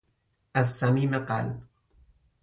از صمیم قلب